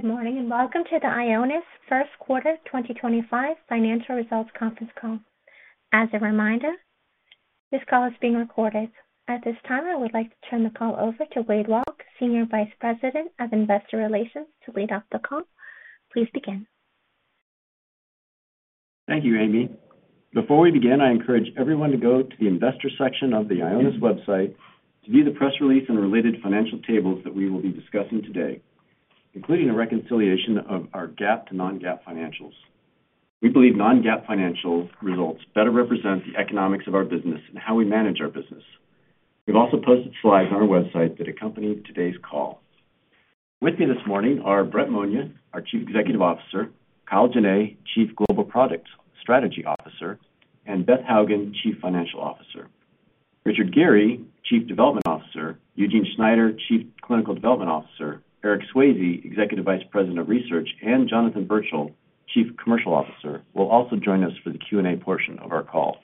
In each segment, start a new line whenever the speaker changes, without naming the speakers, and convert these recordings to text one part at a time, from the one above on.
Good morning and welcome to the Ionis first quarter 2025 financial results conference call. As a reminder, this call is being recorded. At this time, I would like to turn the call over to Wade Walke, Senior Vice President of Investor Relations, to lead off the call. Please begin.
Thank you, Amy. Before we begin, I encourage everyone to go to the Investor section of the Ionis website to view the press release and related financial tables that we will be discussing today, including a reconciliation of our GAAP to non-GAAP financials. We believe non-GAAP financial results better represent the economics of our business and how we manage our business. We've also posted slides on our website that accompany today's call. With me this morning are Brett Monia, our Chief Executive Officer; Kyle Jenne, Chief Global Product Strategy Officer; and Beth Hougen, Chief Financial Officer; Richard Geary, Chief Development Officer; Eugene Schneider, Chief Clinical Development Officer; Eric Swayze, Executive Vice President of Research; and Jonathan Birchall, Chief Commercial Officer, will also join us for the Q&A portion of our call.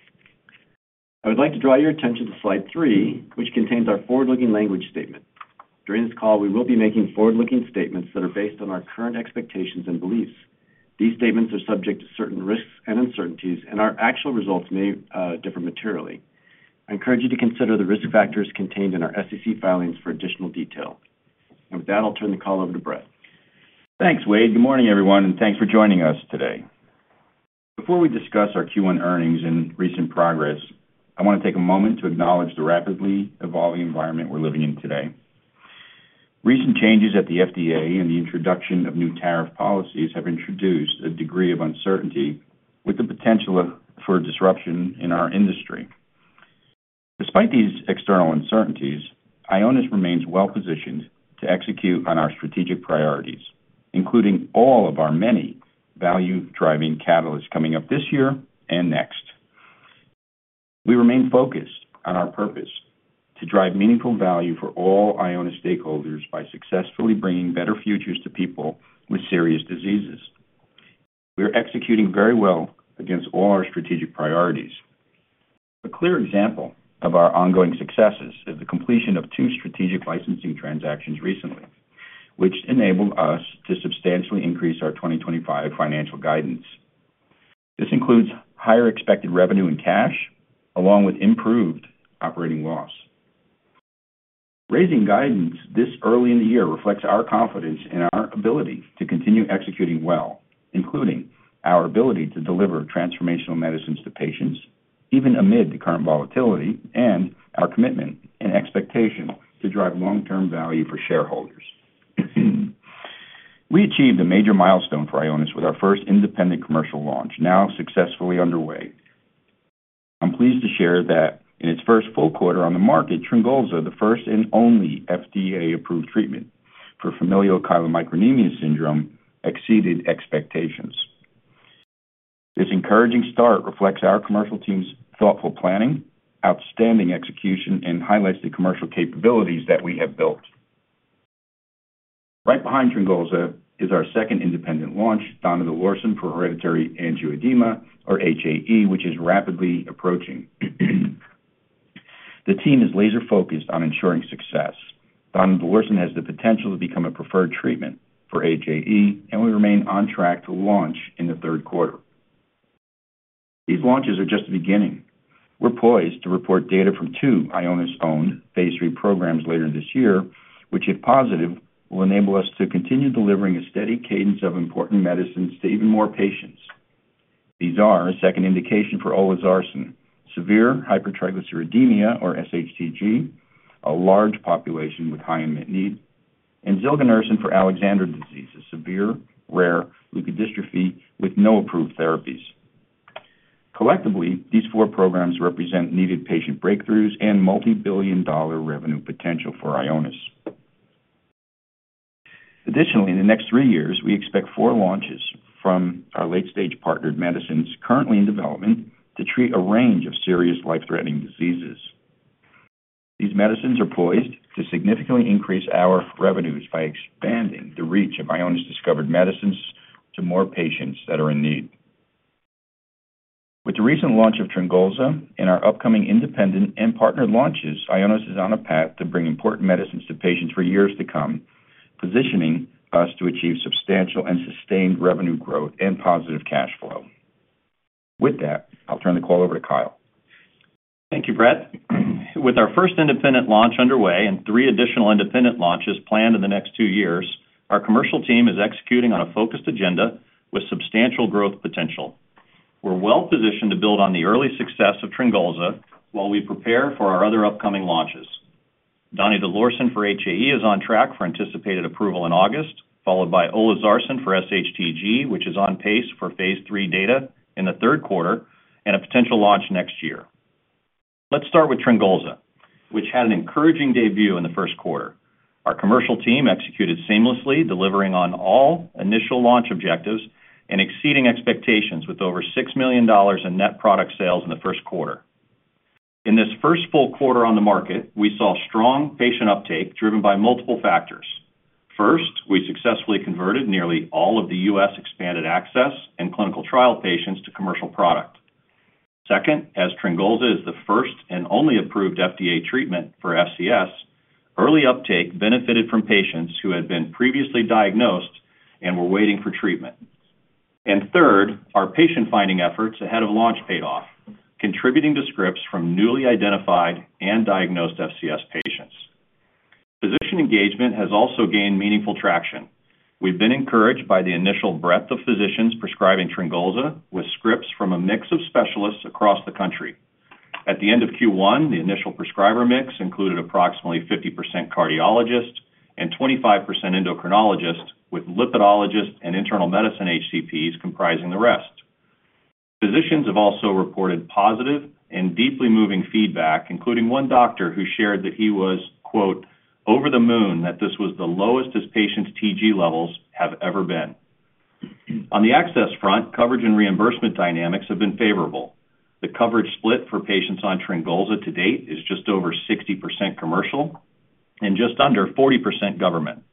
I would like to draw your attention to slide three, which contains our forward-looking language statement. During this call, we will be making forward-looking statements that are based on our current expectations and beliefs. These statements are subject to certain risks and uncertainties, and our actual results may differ materially. I encourage you to consider the risk factors contained in our SEC filings for additional detail. I will turn the call over to Brett.
Thanks, Wade. Good morning, everyone, and thanks for joining us today. Before we discuss our Q1 earnings and recent progress, I want to take a moment to acknowledge the rapidly evolving environment we're living in today. Recent changes at the FDA and the introduction of new tariff policies have introduced a degree of uncertainty with the potential for disruption in our industry. Despite these external uncertainties, Ionis remains well-positioned to execute on our strategic priorities, including all of our many value-driving catalysts coming up this year and next. We remain focused on our purpose to drive meaningful value for all Ionis stakeholders by successfully bringing better futures to people with serious diseases. We are executing very well against all our strategic priorities. A clear example of our ongoing successes is the completion of two strategic licensing transactions recently, which enabled us to substantially increase our 2025 financial guidance. This includes higher expected revenue in cash, along with improved operating loss. Raising guidance this early in the year reflects our confidence in our ability to continue executing well, including our ability to deliver transformational medicines to patients even amid the current volatility and our commitment and expectation to drive long-term value for shareholders. We achieved a major milestone for Ionis with our first independent commercial launch, now successfully underway. I'm pleased to share that in its first full quarter on the market, Tryngolza, the first and only FDA-approved treatment for familial chylomicronemia syndrome, exceeded expectations. This encouraging start reflects our commercial team's thoughtful planning, outstanding execution, and highlights the commercial capabilities that we have built. Right behind Tryngolza is our second independent launch, donidalorsen for hereditary angioedema, or HAE, which is rapidly approaching. The team is laser-focused on ensuring success. Donidalorsen has the potential to become a preferred treatment for HAE, and we remain on track to launch in the third quarter. These launches are just the beginning. We're poised to report data from two Ionis-owned phase III programs later this year, which, if positive, will enable us to continue delivering a steady cadence of important medicines to even more patients. These are a second indication for olezarsen, severe hypertriglyceridemia, or SHTG, a large population with high intermittent need, and zilganersen for Alexander disease, a severe rare leukodystrophy with no approved therapies. Collectively, these four programs represent needed patient breakthroughs and multi-billion dollar revenue potential for Ionis. Additionally, in the next three years, we expect four launches from our late-stage partnered medicines currently in development to treat a range of serious life-threatening diseases. These medicines are poised to significantly increase our revenues by expanding the reach of Ionis discovered medicines to more patients that are in need. With the recent launch of Tryngolza and our upcoming independent and partnered launches, Ionis is on a path to bring important medicines to patients for years to come, positioning us to achieve substantial and sustained revenue growth and positive cash flow. With that, I'll turn the call over to Kyle.
Thank you, Brett. With our first independent launch underway and three additional independent launches planned in the next two years, our commercial team is executing on a focused agenda with substantial growth potential. We're well-positioned to build on the early success of Tryngolza while we prepare for our other upcoming launches. Donidalorsen for HAE is on track for anticipated approval in August, followed by olezarsen for SHTG, which is on pace for phase III data in the third quarter and a potential launch next year. Let's start with Tryngolza, which had an encouraging debut in the first quarter. Our commercial team executed seamlessly, delivering on all initial launch objectives and exceeding expectations with over $6 million in net product sales in the first quarter. In this first full quarter on the market, we saw strong patient uptake driven by multiple factors. First, we successfully converted nearly all of the U.S. expanded access and clinical trial patients to commercial product. Second, as Tryngolza is the first and only approved FDA treatment for FCS, early uptake benefited from patients who had been previously diagnosed and were waiting for treatment. Our patient-finding efforts ahead of launch paid off, contributing to scripts from newly identified and diagnosed FCS patients. Physician engagement has also gained meaningful traction. We've been encouraged by the initial breadth of physicians prescribing Tryngolza with scripts from a mix of specialists across the country. At the end of Q1, the initial prescriber mix included approximately 50% cardiologists and 25% endocrinologists, with lipidologists and internal medicine HCPs comprising the rest. Physicians have also reported positive and deeply moving feedback, including one doctor who shared that he was, quote, "over the moon," that this was the lowest his patients' TG levels have ever been. On the access front, coverage and reimbursement dynamics have been favorable. The coverage split for patients on Tryngolza to date is just over 60% commercial and just under 40% government.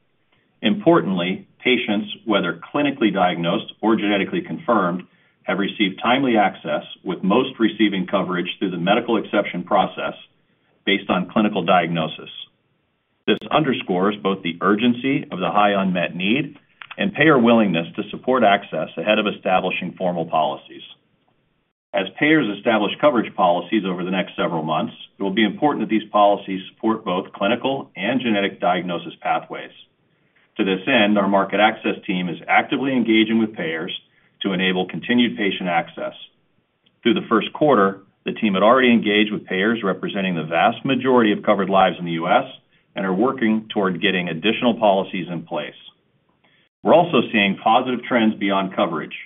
Importantly, patients, whether clinically diagnosed or genetically confirmed, have received timely access, with most receiving coverage through the medical exception process based on clinical diagnosis. This underscores both the urgency of the high unmet need and payer willingness to support access ahead of establishing formal policies. As payers establish coverage policies over the next several months, it will be important that these policies support both clinical and genetic diagnosis pathways. To this end, our market access team is actively engaging with payers to enable continued patient access. Through the first quarter, the team had already engaged with payers representing the vast majority of covered lives in the U.S. and are working toward getting additional policies in place. We're also seeing positive trends beyond coverage,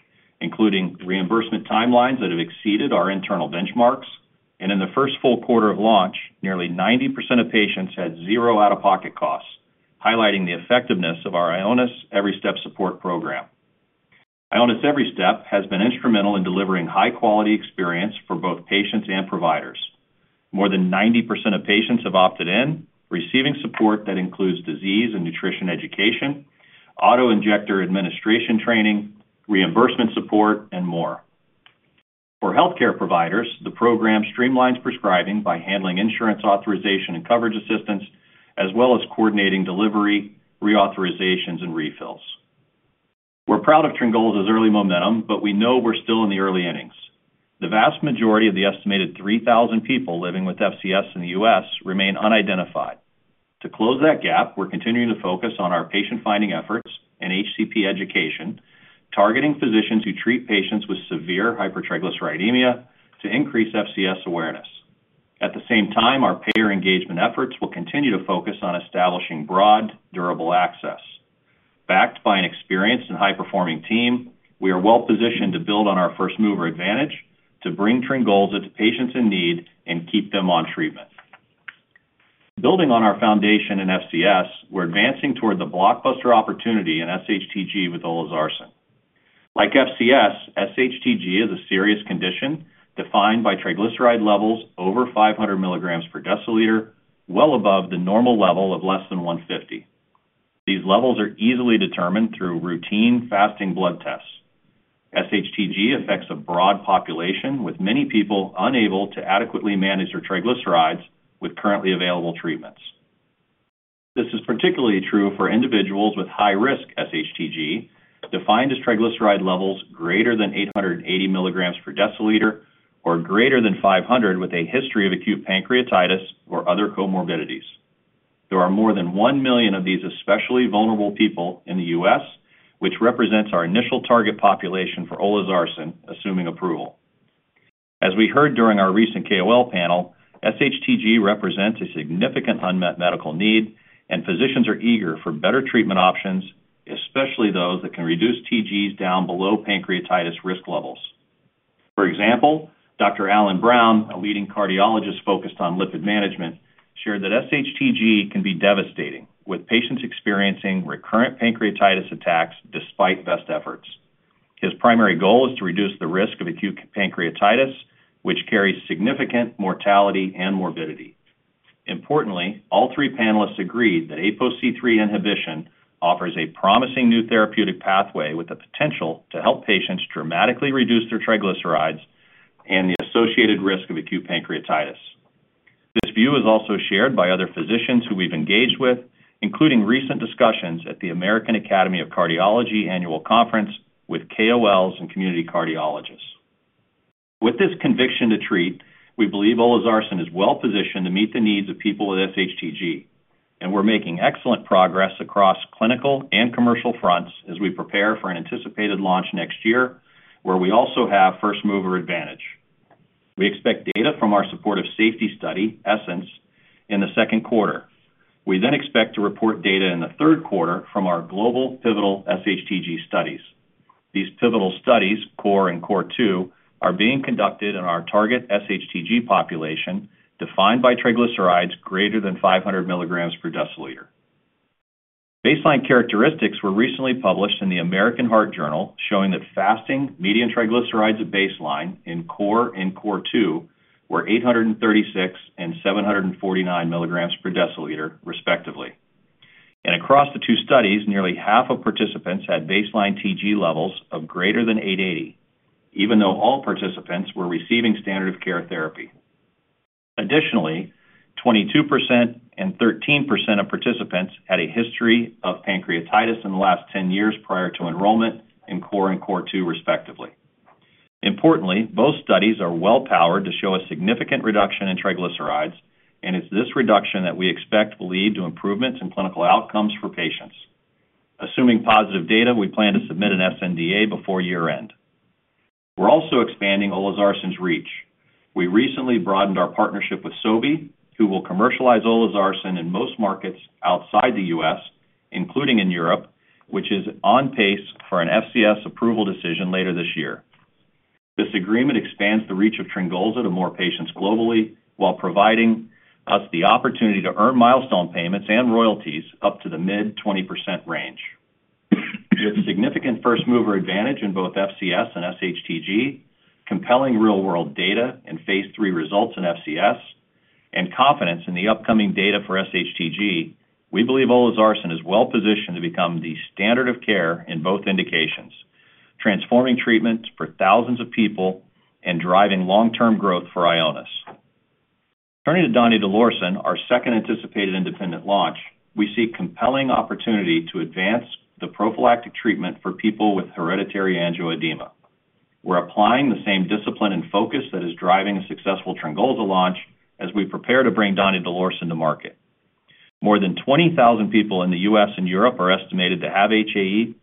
including reimbursement timelines that have exceeded our internal benchmarks. In the first full quarter of launch, nearly 90% of patients had zero out-of-pocket costs, highlighting the effectiveness of our Ionis Every Step support program. Ionis Every Step has been instrumental in delivering high-quality experience for both patients and providers. More than 90% of patients have opted in, receiving support that includes disease and nutrition education, autoinjector administration training, reimbursement support, and more. For healthcare providers, the program streamlines prescribing by handling insurance authorization and coverage assistance, as well as coordinating delivery, reauthorizations, and refills. We're proud of Tryngolza's early momentum, but we know we're still in the early innings. The vast majority of the estimated 3,000 people living with FCS in the U.S. remain unidentified. To close that gap, we're continuing to focus on our patient-finding efforts and HCP education, targeting physicians who treat patients with severe hypertriglyceridemia to increase FCS awareness. At the same time, our payer engagement efforts will continue to focus on establishing broad, durable access. Backed by an experienced and high-performing team, we are well-positioned to build on our first-mover advantage to bring Tryngolza to patients in need and keep them on treatment. Building on our foundation in FCS, we're advancing toward the blockbuster opportunity in SHTG with olezarsen. Like FCS, SHTG is a serious condition defined by triglyceride levels over 500 mg per dL, well above the normal level of less than 150. These levels are easily determined through routine fasting blood tests. SHTG affects a broad population, with many people unable to adequately manage their triglycerides with currently available treatments. This is particularly true for individuals with high-risk SHTG, defined as triglyceride levels greater than 880 mg per dL or greater than 500 with a history of acute pancreatitis or other comorbidities. There are more than 1 million of these especially vulnerable people in the U.S., which represents our initial target population for Olezarsen, assuming approval. As we heard during our recent KOL panel, SHTG represents a significant unmet medical need, and physicians are eager for better treatment options, especially those that can reduce TGs down below pancreatitis risk levels. For example, Dr. Alan Brown, a leading cardiologist focused on lipid management, shared that SHTG can be devastating, with patients experiencing recurrent pancreatitis attacks despite best efforts. His primary goal is to reduce the risk of acute pancreatitis, which carries significant mortality and morbidity. Importantly, all three panelists agreed that ApoC3 inhibition offers a promising new therapeutic pathway with the potential to help patients dramatically reduce their triglycerides and the associated risk of acute pancreatitis. This view is also shared by other physicians who we've engaged with, including recent discussions at the American Academy of Cardiology annual conference with KOLs and community cardiologists. With this conviction to treat, we believe olezarsen is well-positioned to meet the needs of people with SHTG, and we're making excellent progress across clinical and commercial fronts as we prepare for an anticipated launch next year, where we also have first-mover advantage. We expect data from our supportive safety study, Essence, in the second quarter. We then expect to report data in the third quarter from our global pivotal SHTG studies. These pivotal studies, Core and Core II, are being conducted in our target SHTG population defined by triglycerides greater than 500 mg per dL. Baseline characteristics were recently published in the American Heart Journal, showing that fasting median triglycerides at baseline in Core and Core II were 836 and 749 mg per dL, respectively. Across the two studies, nearly half of participants had baseline TG levels of greater than 880, even though all participants were receiving standard-of-care therapy. Additionally, 22% and 13% of participants had a history of pancreatitis in the last 10 years prior to enrollment in Core and Core II, respectively. Importantly, both studies are well-powered to show a significant reduction in triglycerides, and it's this reduction that we expect will lead to improvements in clinical outcomes for patients. Assuming positive data, we plan to submit an sNDA before year-end. We're also expanding olezarsen's reach. We recently broadened our partnership with Sobi, who will commercialize olezarsen in most markets outside the U.S., including in Europe, which is on pace for an FCS approval decision later this year. This agreement expands the reach of Tryngolza to more patients globally while providing us the opportunity to earn milestone payments and royalties up to the mid-20% range. With significant first-mover advantage in both FCS and SHTG, compelling real-world data and phase III results in FCS, and confidence in the upcoming data for SHTG, we believe olezarsen is well-positioned to become the standard-of-care in both indications, transforming treatments for thousands of people and driving long-term growth for Ionis. Turning to donidalorsen, our second anticipated independent launch, we see compelling opportunity to advance the prophylactic treatment for people with hereditary angioedema. We're applying the same discipline and focus that is driving a successful Tryngolza launch as we prepare to bring donidalorsen to market. More than 20,000 people in the U.S. and Europe are estimated to have HAE.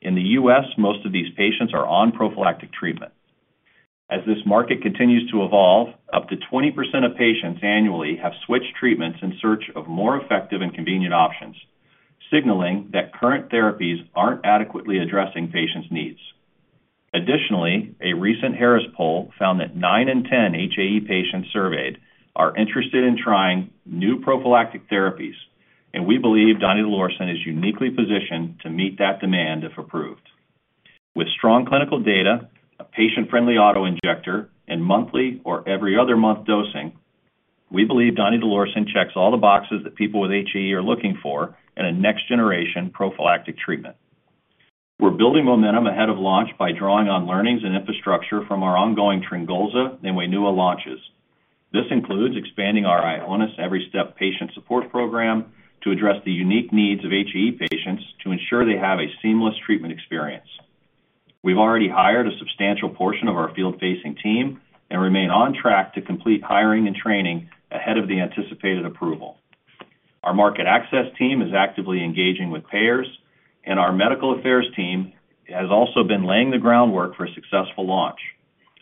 In the U.S., most of these patients are on prophylactic treatment. As this market continues to evolve, up to 20% of patients annually have switched treatments in search of more effective and convenient options, signaling that current therapies aren't adequately addressing patients' needs. Additionally, a recent Harris poll found that 9 in 10 HAE patients surveyed are interested in trying new prophylactic therapies, and we believe donidalorsen is uniquely positioned to meet that demand if approved. With strong clinical data, a patient-friendly autoinjector, and monthly or every other month dosing, we believe donidalorsen checks all the boxes that people with HAE are looking for in a next-generation prophylactic treatment. We're building momentum ahead of launch by drawing on learnings and infrastructure from our ongoing Tryngolza and WAINUA launches. This includes expanding our Ionis Every Step patient support program to address the unique needs of HAE patients to ensure they have a seamless treatment experience. We've already hired a substantial portion of our field-facing team and remain on track to complete hiring and training ahead of the anticipated approval. Our market access team is actively engaging with payers, and our medical affairs team has also been laying the groundwork for a successful launch.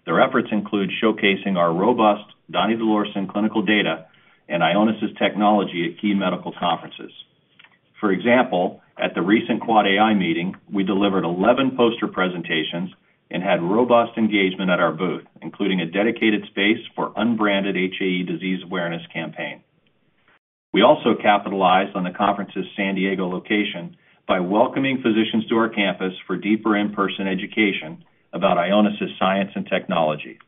Their efforts include showcasing our robust donidalorsen clinical data and Ionis' technology at key medical conferences. For example, at the recent Quad AI meeting, we delivered 11 poster presentations and had robust engagement at our booth, including a dedicated space for unbranded HAE disease awareness campaign. We also capitalized on the conference's San Diego location by welcoming physicians to our campus for deeper in-person education about Ionis' science and technology.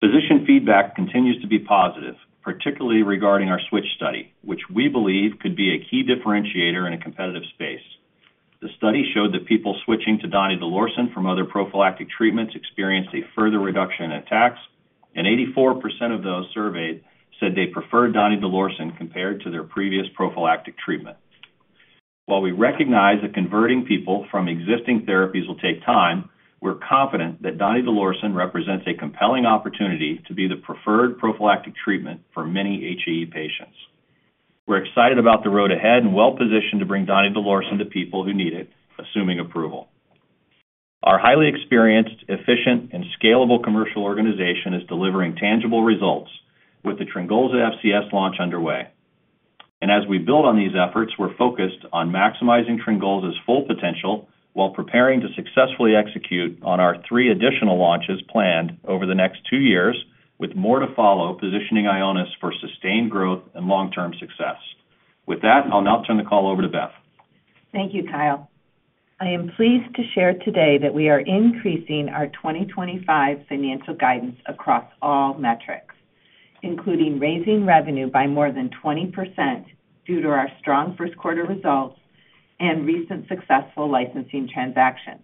Physician feedback continues to be positive, particularly regarding our switch study, which we believe could be a key differentiator in a competitive space. The study showed that people switching to donidalorsen from other prophylactic treatments experienced a further reduction in attacks, and 84% of those surveyed said they preferred donidalorsen compared to their previous prophylactic treatment. While we recognize that converting people from existing therapies will take time, we're confident that donidalorsen represents a compelling opportunity to be the preferred prophylactic treatment for many HAE patients. We're excited about the road ahead and well-positioned to bring donidalorsen to people who need it, assuming approval. Our highly experienced, efficient, and scalable commercial organization is delivering tangible results with the Tryngolza FCS launch underway. As we build on these efforts, we're focused on maximizing Tryngolza's full potential while preparing to successfully execute on our three additional launches planned over the next two years, with more to follow, positioning Ionis for sustained growth and long-term success. With that, I'll now turn the call over to Beth.
Thank you, Kyle. I am pleased to share today that we are increasing our 2025 financial guidance across all metrics, including raising revenue by more than 20% due to our strong first-quarter results and recent successful licensing transactions.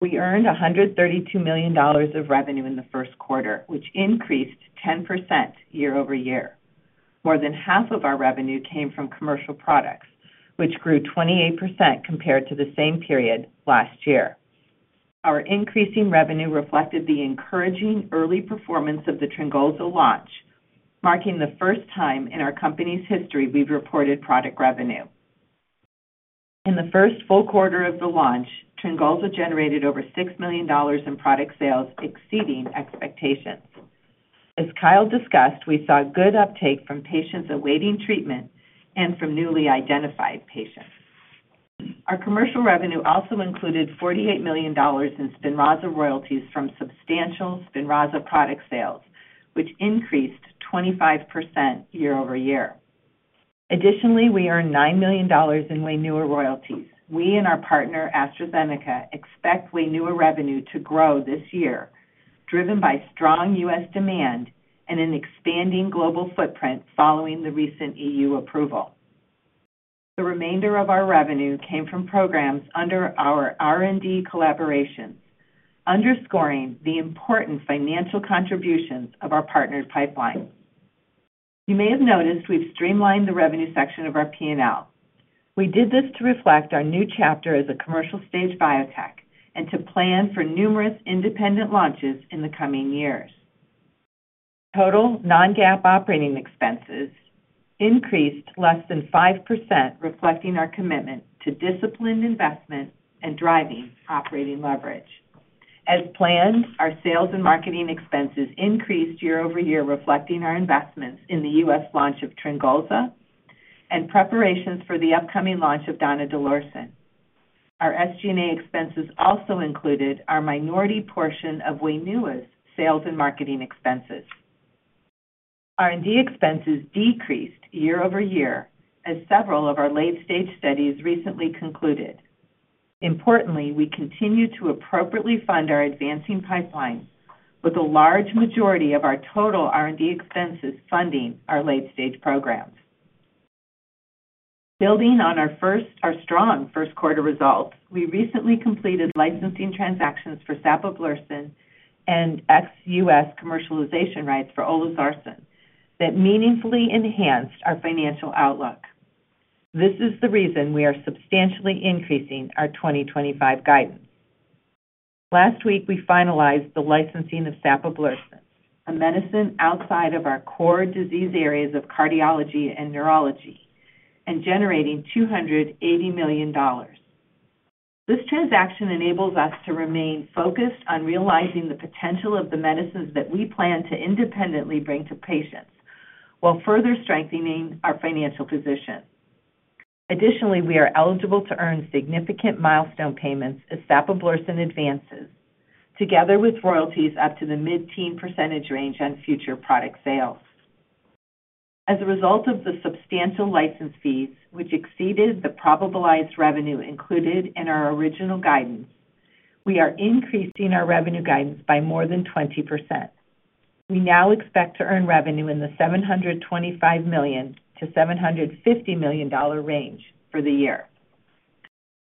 We earned $132 million of revenue in the first quarter, which increased 10% year-over-year. More than half of our revenue came from commercial products, which grew 28% compared to the same period last year. Our increasing revenue reflected the encouraging early performance of the Tryngolza launch, marking the first time in our company's history we've reported product revenue. In the first full quarter of the launch, Tryngolza generated over $6 million in product sales, exceeding expectations. As Kyle discussed, we saw good uptake from patients awaiting treatment and from newly identified patients. Our commercial revenue also included $48 million in SPINRAZA royalties from substantial SPINRAZA product sales, which increased 25% year-over-year. Additionally, we earned $9 million in WAINUA royalties. We and our partner, AstraZeneca, expect WAINUA revenue to grow this year, driven by strong U.S. demand and an expanding global footprint following the recent EU approval. The remainder of our revenue came from programs under our R&D collaborations, underscoring the important financial contributions of our partnered pipeline. You may have noticed we've streamlined the revenue section of our P&L. We did this to reflect our new chapter as a commercial-stage biotech and to plan for numerous independent launches in the coming years. Total non-GAAP operating expenses increased less than 5%, reflecting our commitment to disciplined investment and driving operating leverage. As planned, our sales and marketing expenses increased year-over-year, reflecting our investments in the U.S. launch of Tryngolza and preparations for the upcoming launch of donidalorsen. Our SG&A expenses also included our minority portion of WAINUA's sales and marketing expenses. R&D expenses decreased year-over-year, as several of our late-stage studies recently concluded. Importantly, we continue to appropriately fund our advancing pipeline, with a large majority of our total R&D expenses funding our late-stage programs. Building on our strong first-quarter results, we recently completed licensing transactions for Sapablursen and ex-U.S. commercialization rights for olezarsen that meaningfully enhanced our financial outlook. This is the reason we are substantially increasing our 2025 guidance. Last week, we finalized the licensing of Sapablursen, a medicine outside of our core disease areas of cardiology and neurology, and generating $280 million. This transaction enables us to remain focused on realizing the potential of the medicines that we plan to independently bring to patients while further strengthening our financial position. Additionally, we are eligible to earn significant milestone payments as Sapablursen advances, together with royalties up to the mid-teen % range on future product sales. As a result of the substantial license fees, which exceeded the probableized revenue included in our original guidance, we are increasing our revenue guidance by more than 20%. We now expect to earn revenue in the $725 million-$750 million range for the year.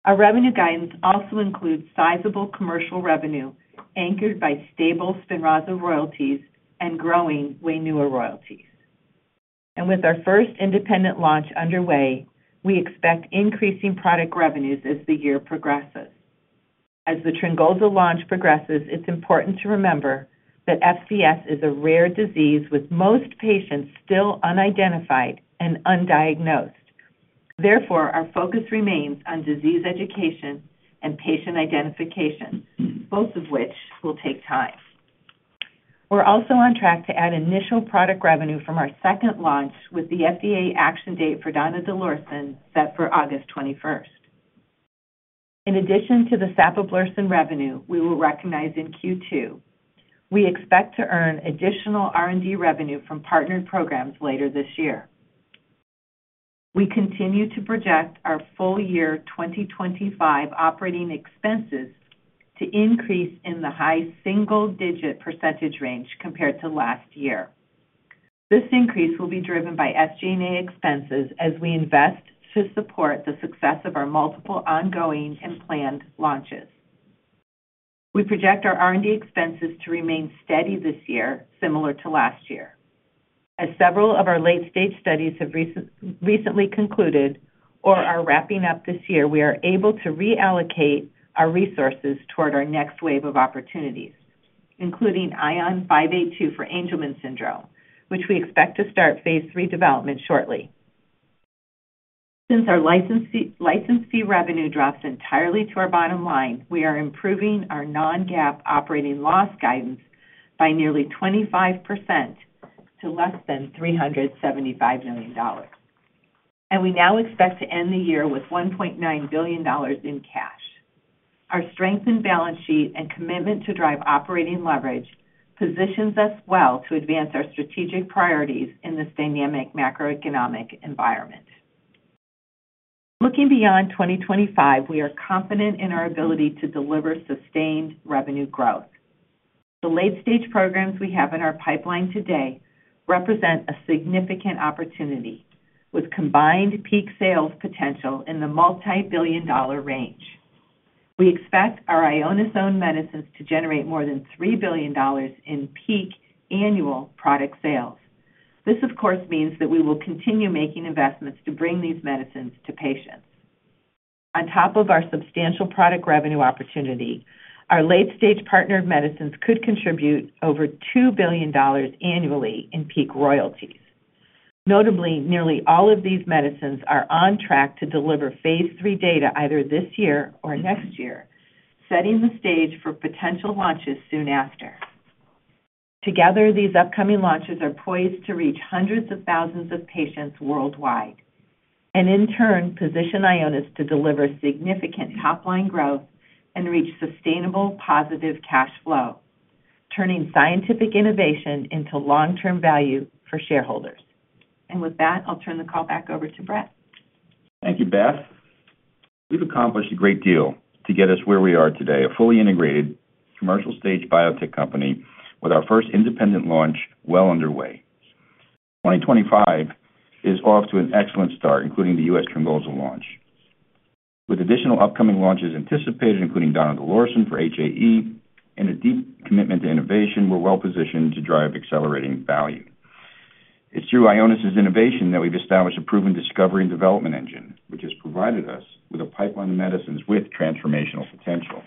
Our revenue guidance also includes sizable commercial revenue anchored by stable SPINRAZA royalties and growing WAINUA royalties. With our first independent launch underway, we expect increasing product revenues as the year progresses. As the Tryngolza launch progresses, it is important to remember that FCS is a rare disease with most patients still unidentified and undiagnosed. Therefore, our focus remains on disease education and patient identification, both of which will take time. We are also on track to add initial product revenue from our second launch with the FDA action date for donidalorsen set for August 21. In addition to the Sapablursen revenue we will recognize in Q2, we expect to earn additional R&D revenue from partnered programs later this year. We continue to project our full year 2025 operating expenses to increase in the high-single-digit % range compared to last year. This increase will be driven by SG&A expenses as we invest to support the success of our multiple ongoing and planned launches. We project our R&D expenses to remain steady this year, similar to last year. As several of our late-stage studies have recently concluded or are wrapping up this year, we are able to reallocate our resources toward our next wave of opportunities, including Ion 582 for Angelman syndrome, which we expect to start phase III development shortly. Since our license fee revenue drops entirely to our bottom line, we are improving our non-GAAP operating loss guidance by nearly 25% to less than $375 million. We now expect to end the year with $1.9 billion in cash. Our strengthened BALANCE sheet and commitment to drive operating leverage positions us well to advance our strategic priorities in this dynamic macroeconomic environment. Looking beyond 2025, we are confident in our ability to deliver sustained revenue growth. The late-stage programs we have in our pipeline today represent a significant opportunity, with combined peak sales potential in the multi-billion dollar range. We expect our Ionis-owned medicines to generate more than $3 billion in peak annual product sales. This, of course, means that we will continue making investments to bring these medicines to patients. On top of our substantial product revenue opportunity, our late-stage partnered medicines could contribute over $2 billion annually in peak royalties. Notably, nearly all of these medicines are on track to deliver phase III data either this year or next year, setting the stage for potential launches soon after. Together, these upcoming launches are poised to reach hundreds of thousands of patients worldwide and, in turn, position Ionis to deliver significant top-line growth and reach sustainable positive cash flow, turning scientific innovation into long-term value for shareholders. With that, I'll turn the call back over to Brett.
Thank you, Beth. We've accomplished a great deal to get us where we are today, a fully integrated commercial-stage biotech company with our first independent launch well underway. 2025 is off to an excellent start, including the U.S. Tryngolza launch. With additional upcoming launches anticipated, including donidalorsen for HAE and a deep commitment to innovation, we're well-positioned to drive accelerating value. It's through Ionis' innovation that we've established a proven discovery and development engine, which has provided us with a pipeline of medicines with transformational potential.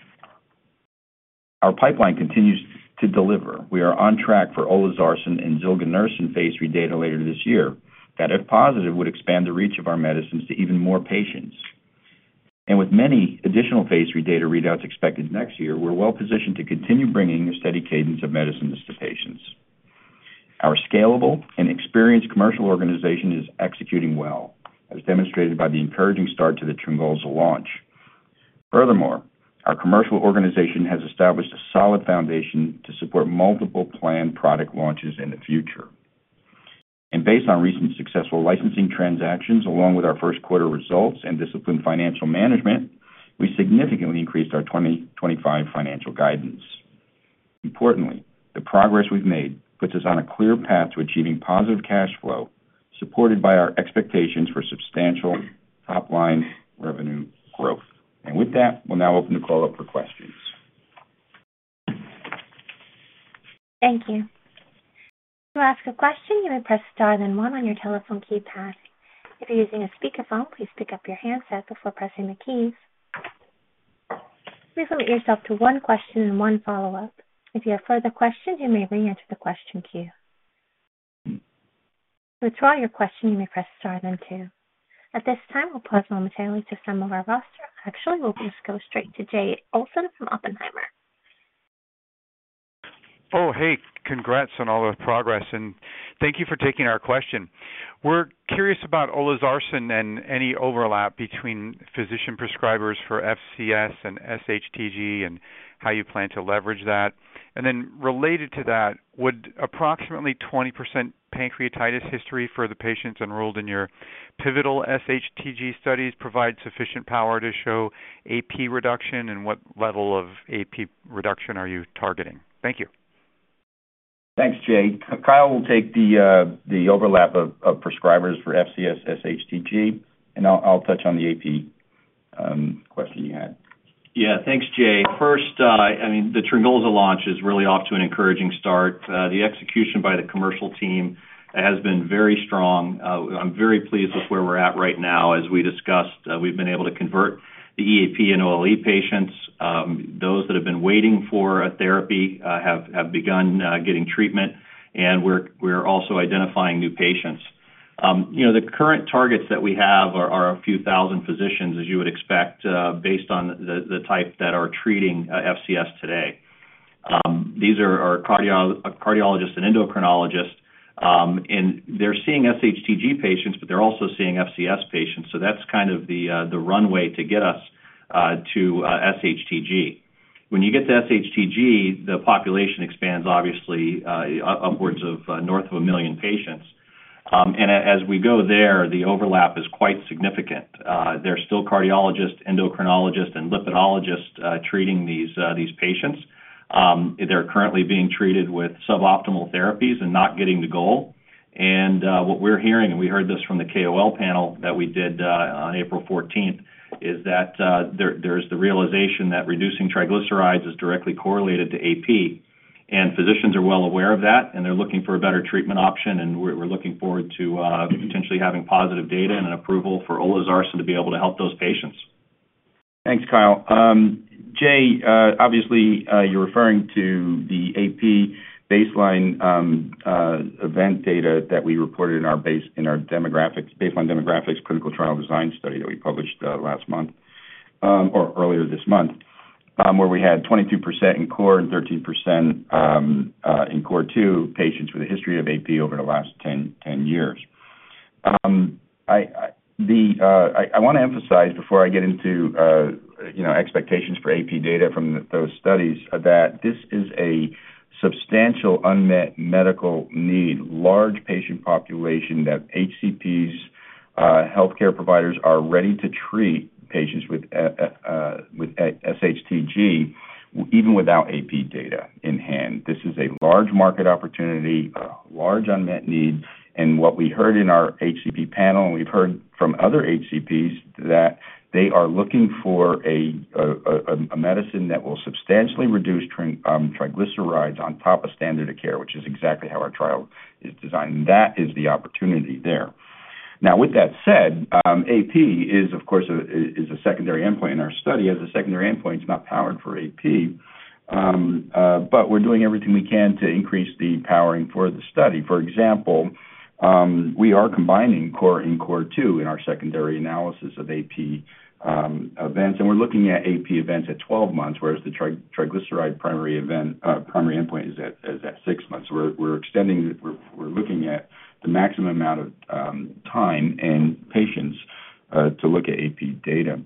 Our pipeline continues to deliver. We are on track for olezarsen and zilganersen phase III data later this year that, if positive, would expand the reach of our medicines to even more patients. With many additional phase III data readouts expected next year, we're well-positioned to continue bringing a steady cadence of medicines to patients. Our scalable and experienced commercial organization is executing well, as demonstrated by the encouraging start to the Tryngolza launch. Furthermore, our commercial organization has established a solid foundation to support multiple planned product launches in the future. Based on recent successful licensing transactions, along with our first-quarter results and disciplined financial management, we significantly increased our 2025 financial guidance. Importantly, the progress we've made puts us on a clear path to achieving positive cash flow, supported by our expectations for substantial top-line revenue growth. With that, we'll now open the call up for questions.
Thank you. To ask a question, you may press star then one on your telephone keypad. If you're using a speakerphone, please pick up your handset before pressing the keys. Please limit yourself to one question and one follow-up. If you have further questions, you may re-enter the question queue. To withdraw your question, you may press star then two. At this time, we'll pause momentarily to summon our roster. Actually, we'll just go straight to Jay Olson from Oppenheimer.
Oh, hey. Congrats on all the progress. And thank you for taking our question. We're curious about Olezarsen and any overlap between physician prescribers for FCS and SHTG and how you plan to leverage that. Then related to that, would approximately 20% pancreatitis history for the patients enrolled in your pivotal SHTG studies provide sufficient power to show AP reduction? What level of AP reduction are you targeting? Thank you.
Thanks, Jay. Kyle will take the overlap of prescribers for FCS, SHTG, and I'll touch on the AP question you had.
Yeah. Thanks, Jay. First, I mean, the Tryngolza launch is really off to an encouraging start. The execution by the commercial team has been very strong. I'm very pleased with where we're at right now. As we discussed, we've been able to convert the EAP and OLE patients. Those that have been waiting for a therapy have begun getting treatment, and we're also identifying new patients. The current targets that we have are a few thousand physicians, as you would expect, based on the type that are treating FCS today. These are cardiologists and endocrinologists, and they're seeing SHTG patients, but they're also seeing FCS patients. That's kind of the runway to get us to SHTG. When you get to SHTG, the population expands, obviously, upwards of north of a million patients. As we go there, the overlap is quite significant. There are still cardiologists, endocrinologists, and lipidologists treating these patients. They're currently being treated with suboptimal therapies and not getting the goal. What we're hearing, and we heard this from the KOL panel that we did on April 14th, is that there's the realization that reducing triglycerides is directly correlated to AP. Physicians are well aware of that, and they're looking for a better treatment option. We're looking forward to potentially having positive data and an approval for olezarsen to be able to help those patients.
Thanks, Kyle. Jay, obviously, you're referring to the AP baseline event data that we reported in our baseline demographics clinical trial design study that we published last month or earlier this month, where we had 22% in core and 13% in Core II patients with a history of AP over the last 10 years. I want to emphasize, before I get into expectations for AP data from those studies, that this is a substantial unmet medical need, large patient population that HCPs, healthcare providers are ready to treat patients with SHTG even without AP data in hand. This is a large market opportunity, large unmet need. What we heard in our HCP panel, and we've heard from other HCPs, is that they are looking for a medicine that will substantially reduce triglycerides on top of standard of care, which is exactly how our trial is designed. That is the opportunity there. Now, with that said, AP is, of course, a secondary endpoint in our study. As a secondary endpoint, it's not powered for AP, but we're doing everything we can to increase the powering for the study. For example, we are combining Core and Core II in our secondary analysis of AP events, and we're looking at AP events at 12 months, whereas the triglyceride primary endpoint is at 6 months. We're looking at the maximum amount of time and patients to look at AP data.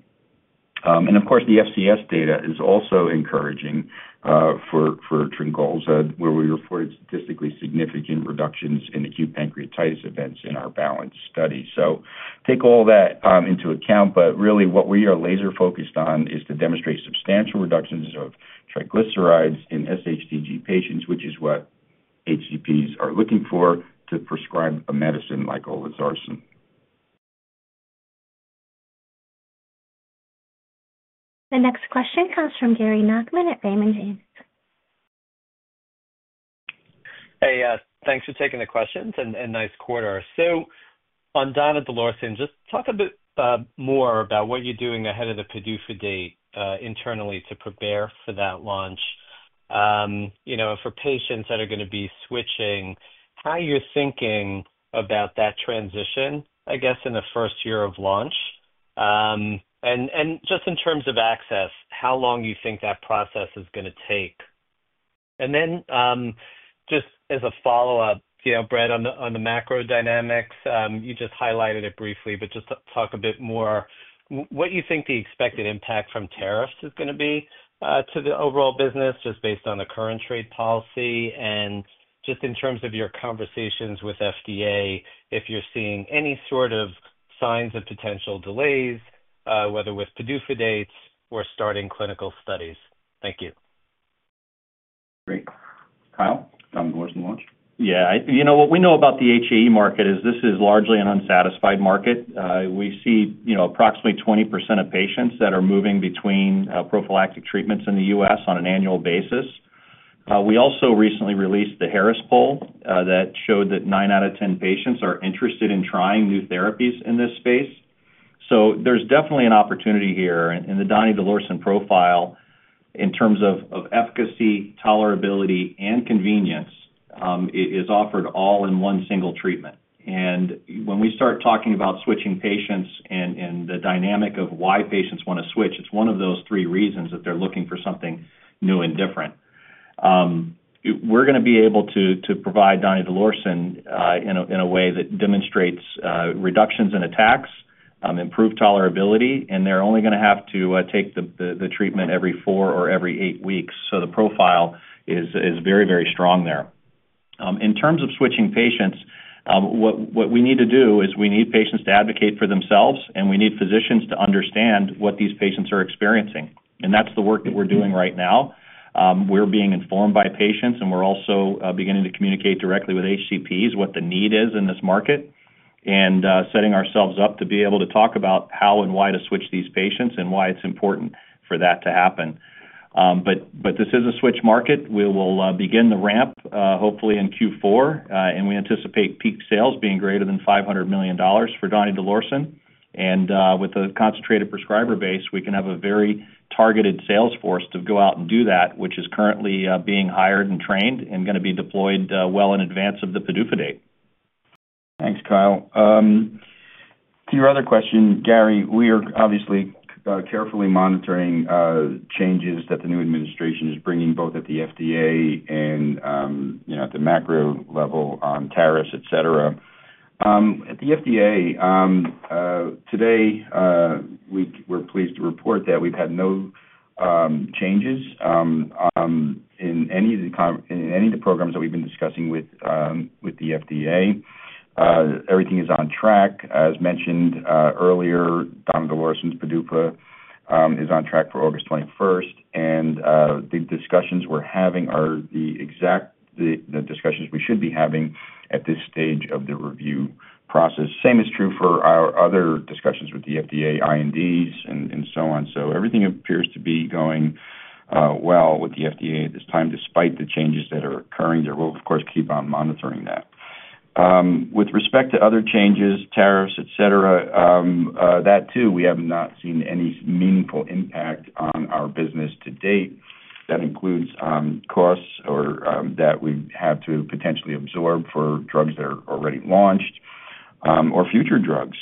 Of course, the FCS data is also encouraging for Tryngolza, where we reported statistically significant reductions in acute pancreatitis events in our BALANCE study. Take all that into account. What we are laser-focused on is to demonstrate substantial reductions of triglycerides in SHTG patients, which is what HCPs are looking for to prescribe a medicine like olezarsen.
The next question comes from Gary Nachman at Raymond James.
Hey, thanks for taking the questions and nice quarter. On donidalorsen, just talk a bit more about what you're doing ahead of the PDUFA date internally to prepare for that launch. For patients that are going to be switching, how you're thinking about that transition, I guess, in the first year of launch. In terms of access, how long you think that process is going to take. Just as a follow-up, Brett, on the macro dynamics, you just highlighted it briefly, but just talk a bit more. What do you think the expected impact from tariffs is going to be to the overall business, just based on the current trade policy? In terms of your conversations with FDA, if you're seeing any sort of signs of potential delays, whether with PDUFA dates or starting clinical studies? Thank you.
Great. Kyle, donidalorsen launch? Yeah.
What we know about the HAE market is this is largely an unsatisfied market. We see approximately 20% of patients that are moving between prophylactic treatments in the U.S. on an annual basis. We also recently released the Harris poll that showed that 9 out of 10 patients are interested in trying new therapies in this space. There is definitely an opportunity here. The donidalorsen profile, in terms of efficacy, tolerability, and convenience, is offered all in one single treatment. When we start talking about switching patients and the dynamic of why patients want to switch, it is one of those three reasons that they are looking for something new and different. We are going to be able to provide donidalorsen in a way that demonstrates reductions in attacks, improved tolerability, and they are only going to have to take the treatment every four or every eight weeks. The profile is very, very strong there. In terms of switching patients, what we need to do is we need patients to advocate for themselves, and we need physicians to understand what these patients are experiencing. That is the work that we're doing right now. We're being informed by patients, and we're also beginning to communicate directly with HCPs what the need is in this market and setting ourselves up to be able to talk about how and why to switch these patients and why it's important for that to happen. This is a switch market. We will begin the ramp, hopefully, in Q4. We anticipate peak sales being greater than $500 million for donidalorsen. With a concentrated prescriber base, we can have a very targeted sales force to go out and do that, which is currently being hired and trained and going to be deployed well in advance of the PDUFA date.
Thanks, Kyle. To your other question, Gary, we are obviously carefully monitoring changes that the new administration is bringing, both at the FDA and at the macro level on tariffs, etc. At the FDA, today, we're pleased to report that we've had no changes in any of the programs that we've been discussing with the FDA. Everything is on track. As mentioned earlier, donidalorsen's PDUFA is on track for August 21st. The discussions we're having are the exact discussions we should be having at this stage of the review process. The same is true for our other discussions with the FDA, INDs, and so on. Everything appears to be going well with the FDA at this time, despite the changes that are occurring. We'll, of course, keep on monitoring that. With respect to other changes, tariffs, etc., that too, we have not seen any meaningful impact on our business to date. That includes costs that we have to potentially absorb for drugs that are already launched or future drugs.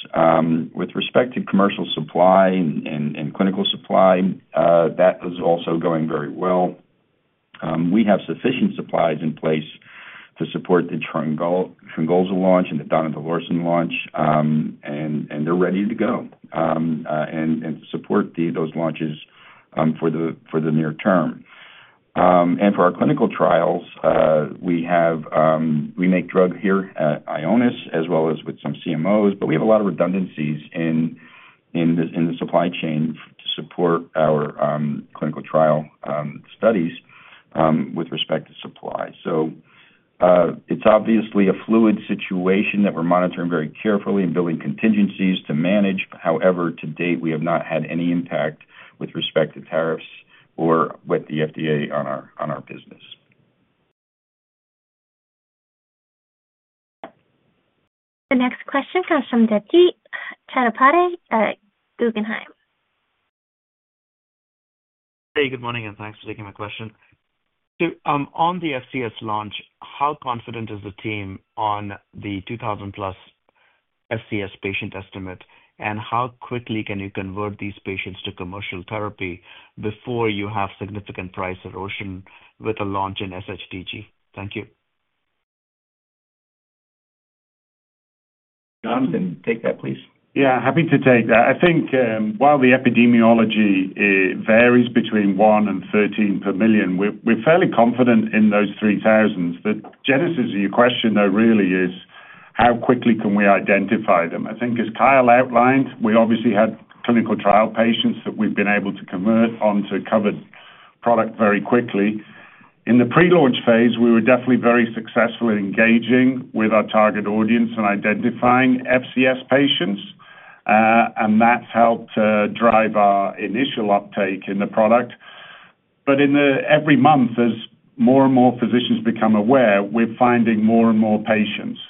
With respect to commercial supply and clinical supply, that is also going very well. We have sufficient supplies in place to support the Tryngolza launch and the donidalorsen launch, and they're ready to go and to support those launches for the near term. For our clinical trials, we make drug here at Ionis as well as with some CMOs, but we have a lot of redundancies in the supply chain to support our clinical trial studies with respect to supply. It's obviously a fluid situation that we're monitoring very carefully and building contingencies to manage. However, to date, we have not had any impact with respect to tariffs or with the FDA on our business. The next question comes from Debjit Chattopadhyay at Guggenheim.
Hey, good morning, and thanks for taking my question. On the FCS launch, how confident is the team on the 2,000+ FCS patient estimate, and how quickly can you convert these patients to commercial therapy before you have significant price erosion with a launch in SHTG? Thank you.
Jonathan, take that, please.
Yeah, happy to take that. I think while the epidemiology varies between 1 and 13 per million, we're fairly confident in those 3,000s. The genesis of your question, though, really is how quickly can we identify them? I think, as Kyle outlined, we obviously had clinical trial patients that we've been able to convert onto covered product very quickly. In the pre-launch phase, we were definitely very successful in engaging with our target audience and identifying FCS patients, and that's helped drive our initial uptake in the product. Every month, as more and more physicians become aware, we're finding more and more patients.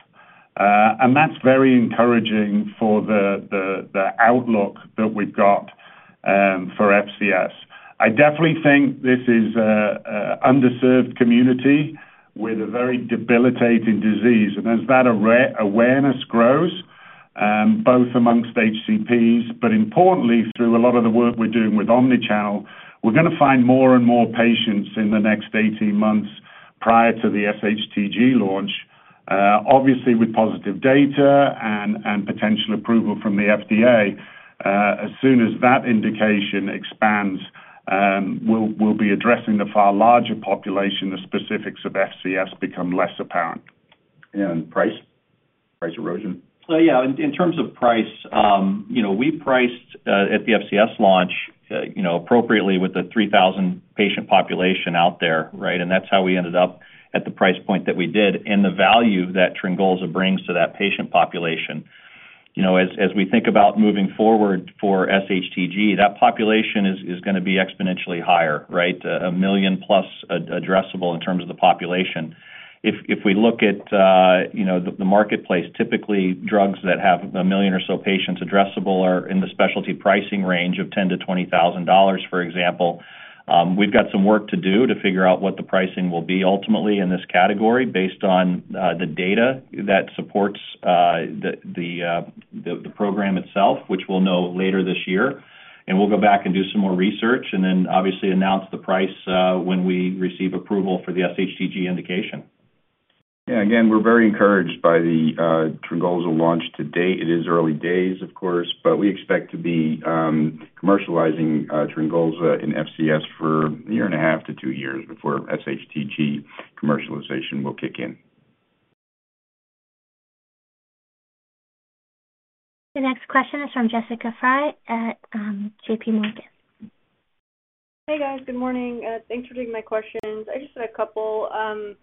That is very encouraging for the outlook that we've got for FCS. I definitely think this is an underserved community with a very debilitating disease. As that awareness grows, both amongst HCPs, but importantly, through a lot of the work we're doing with Omnichannel, we're going to find more and more patients in the next 18 months prior to the SHTG launch, obviously with positive data and potential approval from the FDA. As soon as that indication expands, we'll be addressing the far larger population. The specifics of FCS become less apparent.
Price? Price erosion?
Yeah. In terms of price, we priced at the FCS launch appropriately with the 3,000 patient population out there, right? That's how we ended up at the price point that we did and the value that Tryngolza brings to that patient population. As we think about moving forward for SHTG, that population is going to be exponentially higher, right? A million-plus addressable in terms of the population. If we look at the marketplace, typically, drugs that have a million or so patients addressable are in the specialty pricing range of $10,000-$20,000, for example. We've got some work to do to figure out what the pricing will be ultimately in this category based on the data that supports the program itself, which we'll know later this year. We will go back and do some more research and then, obviously, announce the price when we receive approval for the SHTG indication.
Yeah. Again, we're very encouraged by the Tryngolza launch to date. It is early days, of course, but we expect to be commercializing Tryngolza in FCS for a year and a half to two years before SHTG commercialization will kick in.
The next question is from Jessica Frey at JPMorgan.
Hey, guys. Good morning. Thanks for taking my questions. I just had a couple. Forgive me if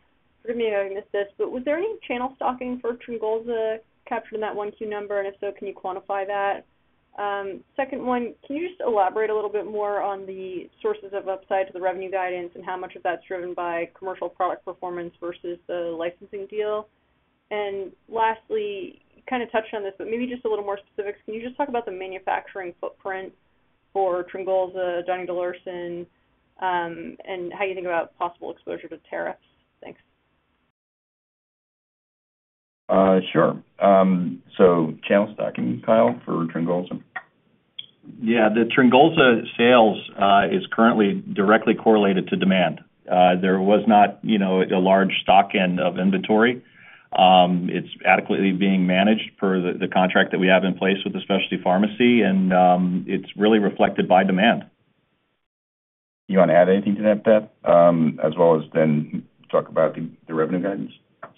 I missed this, but was there any channel stocking for Tryngolza captured in that one Q number? If so, can you quantify that? Second one, can you just elaborate a little bit more on the sources of upside to the revenue guidance and how much of that's driven by commercial product performance versus the licensing deal? Lastly, you kind of touched on this, but maybe just a little more specifics. Can you just talk about the manufacturing footprint for Tryngolza, donidalorsen, and how you think about possible exposure to tariffs? Thanks.
Sure. Channel stocking, Kyle, for Tryngolza?
Yeah. The Tryngolza sales is currently directly correlated to demand. There was not a large stock end of inventory. It's adequately being managed for the contract that we have in place with the specialty pharmacy, and it's really reflected by demand.
Do you want to add anything to that, Beth, as well as then talk about the revenue guidance?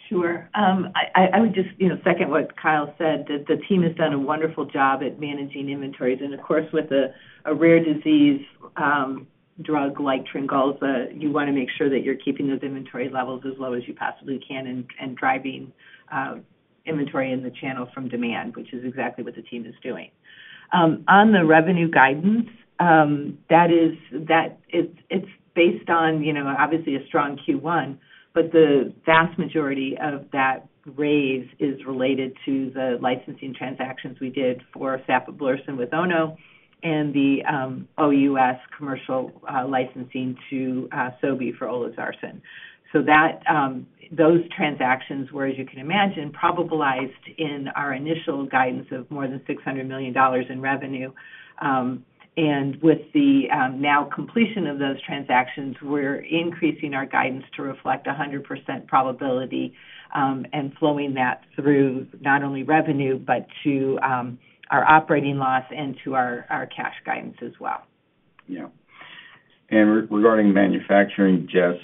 Sure. I would just second what Kyle said, that the team has done a wonderful job at managing inventories. Of course, with a rare disease drug like Olezarsen, you want to make sure that you're keeping those inventory levels as low as you possibly can and driving inventory in the channel from demand, which is exactly what the team is doing. On the revenue guidance, it's based on, obviously, a strong Q1, but the vast majority of that raise is related to the licensing transactions we did for Sapablursen with Ono and the OUS commercial licensing to Sobi for Olezarsen. Those transactions were, as you can imagine, probabilized in our initial guidance of more than $600 million in revenue. With the now completion of those transactions, we're increasing our guidance to reflect 100% probability and flowing that through not only revenue, but to our operating loss and to our cash guidance as well.
Yeah. Regarding manufacturing, Jess,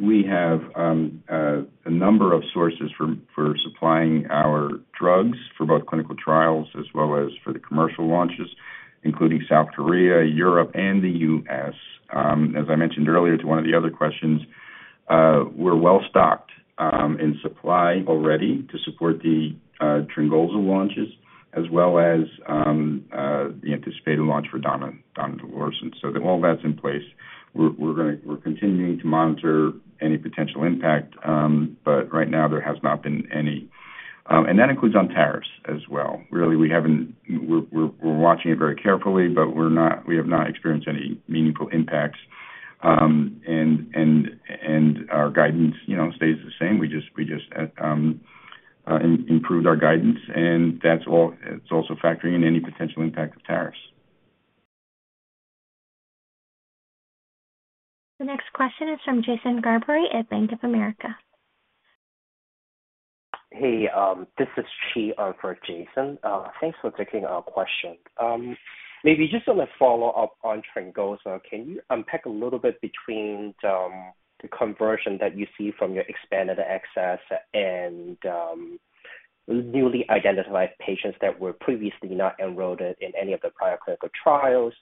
we have a number of sources for supplying our drugs for both clinical trials as well as for the commercial launches, including South Korea, Europe, and the U.S. As I mentioned earlier to one of the other questions, we're well stocked in supply already to support the Tryngolza launches as well as the anticipated launch for donidalorsen. All that's in place. We're continuing to monitor any potential impact, but right now, there has not been any. That includes on tariffs as well. Really, we're watching it very carefully, but we have not experienced any meaningful impacts. Our guidance stays the same. We just improved our guidance, and that's also factoring in any potential impact of tariffs.
The next question is from Jason Gerberry at Bank of America.
Hey, this is Chi for Jason. Thanks for taking our question. Maybe just on a follow-up on Tryngolza, can you unpack a little bit between the conversion that you see from your expanded access and newly identified patients that were previously not enrolled in any of the prior clinical trials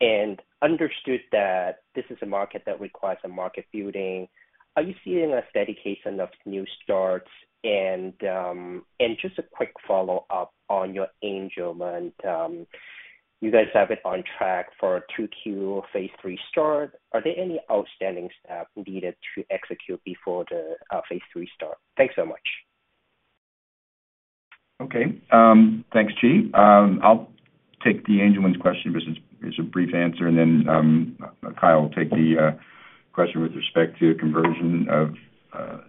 and understood that this is a market that requires a market building? Are you seeing a steady case enough new starts? And just a quick follow-up on your angelment. You guys have it on track for a 2Q phase III start. Are there any outstanding staff needed to execute before the phase III start? Thanks so much.
Okay. Thanks, Chi. I'll take the Angelman's question as a brief answer, and then Kyle will take the question with respect to conversion of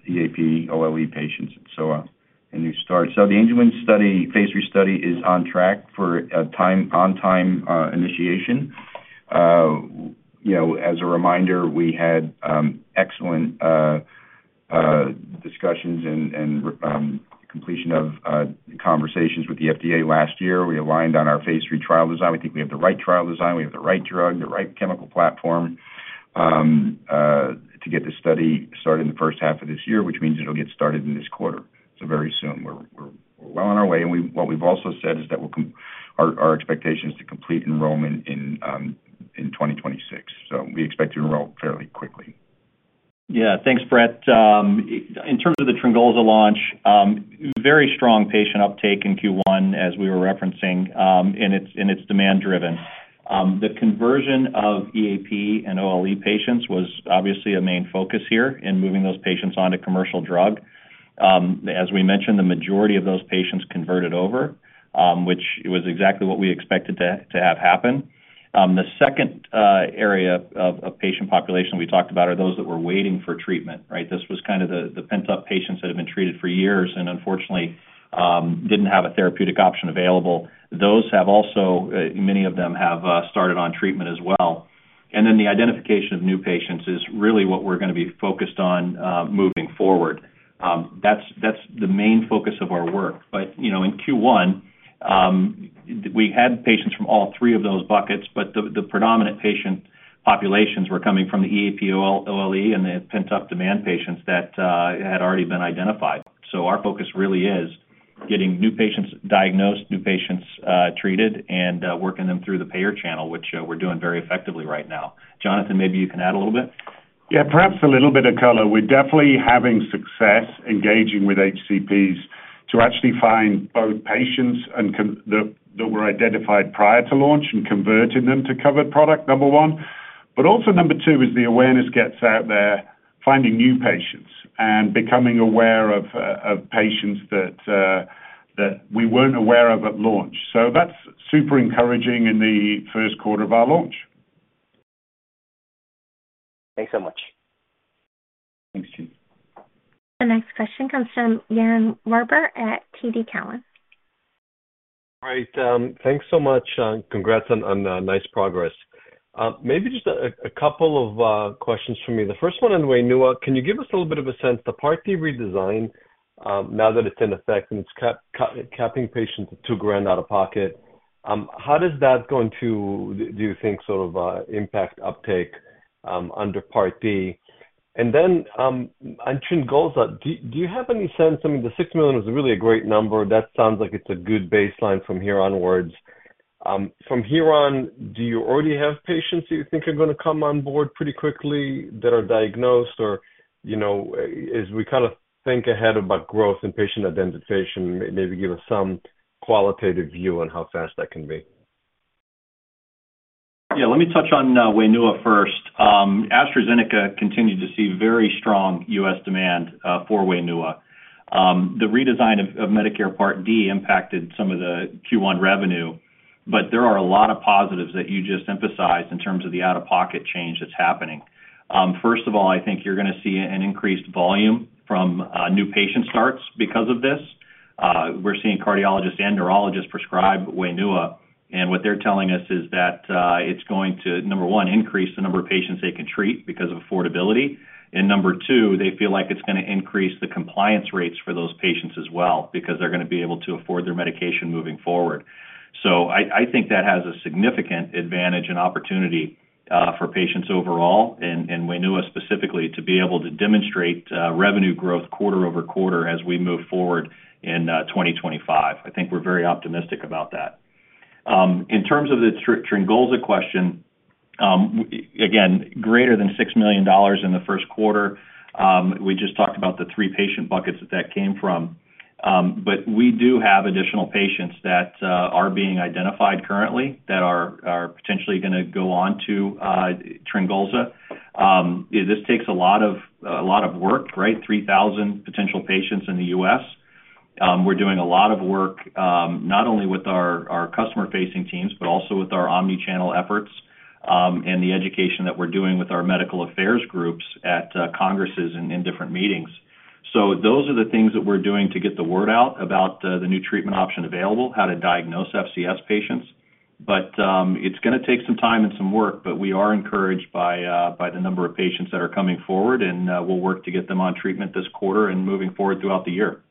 EAP, OLE patients, and so on, and new starts. The Angelman phase III study is on track for on-time initiation. As a reminder, we had excellent discussions and completion of conversations with the FDA last year. We aligned on our phase III trial design. We think we have the right trial design. We have the right drug, the right chemical platform to get the study started in the first half of this year, which means it'll get started in this quarter. Very soon, we're well on our way. What we've also said is that our expectation is to complete enrollment in 2026. We expect to enroll fairly quickly.
Yeah. Thanks, Brett. In terms of the Tryngolza launch, very strong patient uptake in Q1, as we were referencing, and it's demand-driven. The conversion of EAP and OLE patients was obviously a main focus here in moving those patients on to commercial drug. As we mentioned, the majority of those patients converted over, which was exactly what we expected to have happen. The second area of patient population we talked about are those that were waiting for treatment, right? This was kind of the pent-up patients that have been treated for years and, unfortunately, didn't have a therapeutic option available. Those have also, many of them have started on treatment as well. The identification of new patients is really what we're going to be focused on moving forward. That's the main focus of our work. In Q1, we had patients from all three of those buckets, but the predominant patient populations were coming from the EAP, OLE, and the pent-up demand patients that had already been identified. Our focus really is getting new patients diagnosed, new patients treated, and working them through the payer channel, which we're doing very effectively right now. Jonathan, maybe you can add a little bit.
Yeah. Perhaps a little bit of color. We're definitely having success engaging with HCPs to actually find both patients that were identified prior to launch and converting them to covered product, number one. Also, number two, as the awareness gets out there, finding new patients and becoming aware of patients that we weren't aware of at launch. That's super encouraging in the first quarter of our launch.
Thanks so much.
Thanks, Chi.
The next question comes from Yaron Werber at TD Cowen.
All right. Thanks so much. Congrats on nice progress. Maybe just a couple of questions for me. The first one in WAINUA, can you give us a little bit of a sense? The Part D redesign, now that it's in effect and it's capping patients at $2,000 out-of-pocket, how is that going to, do you think, sort of impact uptake under Part D? And then on Tryngolza, do you have any sense? I mean, the $6 million was really a great number. That sounds like it's a good baseline from here onwards. From here on, do you already have patients that you think are going to come on board pretty quickly that are diagnosed? As we kind of think ahead about growth and patient identification, maybe give us some qualitative view on how fast that can be.
Yeah. Let me touch on WAINUA first. AstraZeneca continued to see very strong U.S. demand for WAINUA. The redesign of Medicare Part D impacted some of the Q1 revenue, but there are a lot of positives that you just emphasized in terms of the out-of-pocket change that's happening. First of all, I think you're going to see an increased volume from new patient starts because of this. We're seeing cardiologists and neurologists prescribe WAINUA. What they're telling us is that it's going to, number one, increase the number of patients they can treat because of affordability. Number two, they feel like it's going to increase the compliance rates for those patients as well because they're going to be able to afford their medication moving forward. I think that has a significant advantage and opportunity for patients overall and WAINUA specifically to be able to demonstrate revenue growth quarter-over-quarter as we move forward in 2025. I think we're very optimistic about that. In terms of the Tryngolza question, again, greater than $6 million in the first quarter. We just talked about the three patient buckets that that came from. We do have additional patients that are being identified currently that are potentially going to go on to Tryngolza. This takes a lot of work, right? 3,000 potential patients in the U.S. We're doing a lot of work not only with our customer-facing teams, but also with our omnichannel efforts and the education that we're doing with our medical affairs groups at congresses and in different meetings. Those are the things that we're doing to get the word out about the new treatment option available, how to diagnose FCS patients. It's going to take some time and some work, but we are encouraged by the number of patients that are coming forward, and we'll work to get them on treatment this quarter and moving forward throughout the year.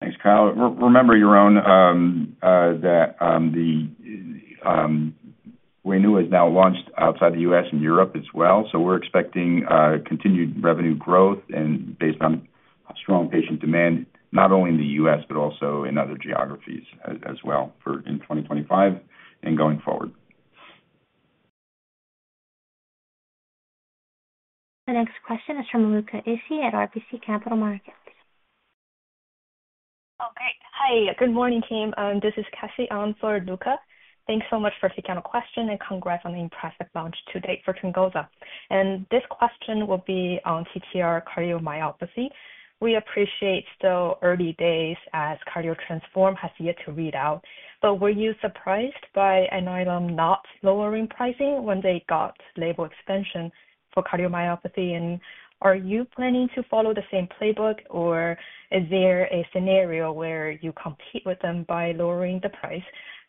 Thanks, Kyle. Remember, Yaron, that WAINUA is now launched outside the U.S. and Europe as well. We're expecting continued revenue growth based on strong patient demand, not only in the U.S., but also in other geographies as well in 2025 and going forward.
The next question is from Luca Issi at RBC Capital Markets.
Okay. Hi. Good morning, team. This is Cassie on for Luca. Thanks so much for taking our question and congrats on the impressive launch today for Tryngolza. This question will be on ATTR cardiomyopathy. We appreciate still early days as CardioTransform has yet to read out. Were you surprised by Amvuttra not lowering pricing when they got label expansion for cardiomyopathy? Are you planning to follow the same playbook, or is there a scenario where you compete with them by lowering the price?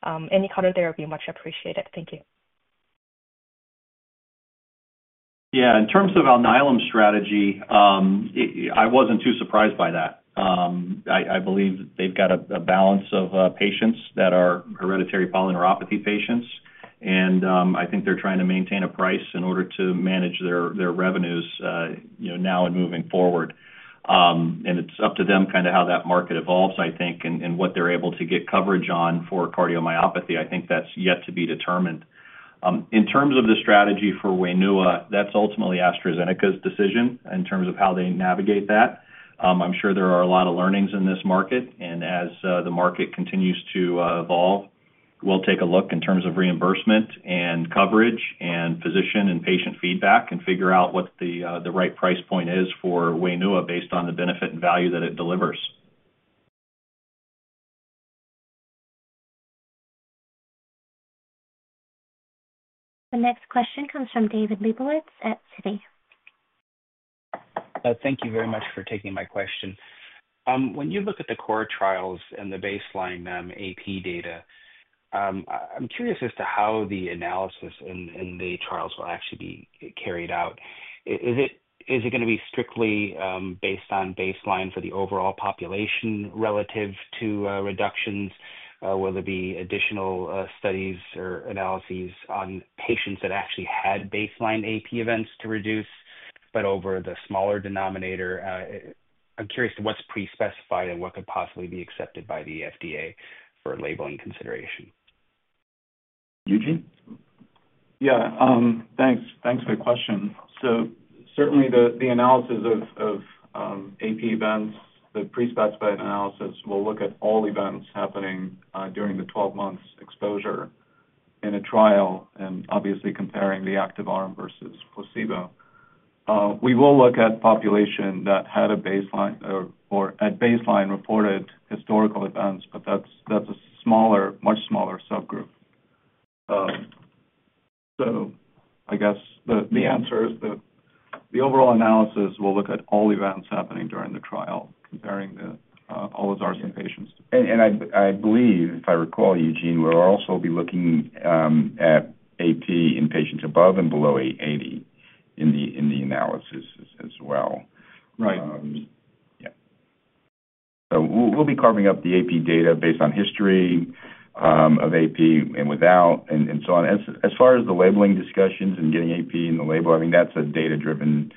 Any color there would be much appreciated. Thank you.
Yeah. In terms of our Alnylam strategy, I was not too surprised by that. I believe they've got a balance of patients that are hereditary polyneuropathy patients, and I think they're trying to maintain a price in order to manage their revenues now and moving forward. It's up to them kind of how that market evolves, I think, and what they're able to get coverage on for cardiomyopathy. I think that's yet to be determined. In terms of the strategy for WAINUA, that's ultimately AstraZeneca's decision in terms of how they navigate that. I'm sure there are a lot of learnings in this market. As the market continues to evolve, we'll take a look in terms of reimbursement and coverage and physician and patient feedback and figure out what the right price point is for WAINUA based on the benefit and value that it delivers.
The next question comes from David Lebowitz at Citi. Thank you very much for taking my question.
When you look at the core trials and the baseline AP data, I'm curious as to how the analysis and the trials will actually be carried out. Is it going to be strictly based on baseline for the overall population relative to reductions? Will there be additional studies or analyses on patients that actually had baseline AP events to reduce? Over the smaller denominator, I'm curious to what's pre-specified and what could possibly be accepted by the FDA for labeling consideration.
Eugene?
Yeah. Thanks for the question. Certainly, the analysis of AP events, the pre-specified analysis, will look at all events happening during the 12-month exposure in a trial and obviously comparing the active arm versus placebo. We will look at population that had a baseline or at baseline reported historical events, but that's a much smaller subgroup. I guess the answer is the overall analysis will look at all events happening during the trial, comparing all those olezarsen patients.
I believe, if I recall, Eugene, we'll also be looking at AP in patients above and below 80 in the analysis as well. Right. Yeah. We'll be carving up the AP data based on history of AP and without, and so on. As far as the labeling discussions and getting AP in the label, I mean, that's a data-driven